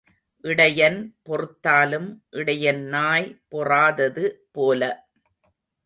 இடையன் பொறுத்தாலும் இடையன் நாய் பொறாதது போல.